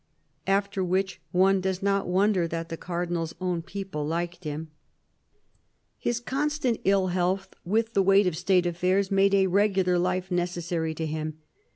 " After which one does not wonder that the Cardinal's own people liked him. His constant ill health, with the weight of State af^irs, made a regular life necessary to him.